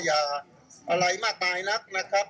อะไรมากมายนักนะครับ